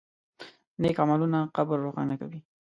نیک عملونه قبر روښانه کوي.